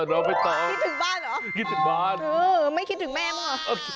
เออเราไปต่อคิดถึงบ้านเหรอไม่คิดถึงแม่บ้างเหรอ